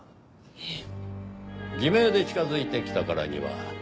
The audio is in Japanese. えっ？